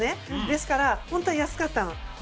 ですから本当は安かったの。